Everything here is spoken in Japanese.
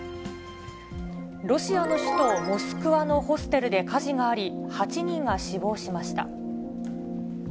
ロシアの首都モスクワのホステルで火事があり、８人が死亡しました。